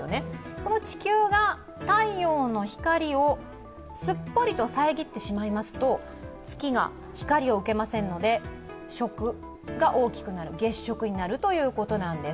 この地球が太陽の光をすっぽりと遮ってしまいますと月が光を受けませんので、食が大きくなる、月食になるということなんです。